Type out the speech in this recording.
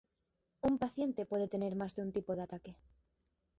Un paciente puede tener más de un tipo de ataque.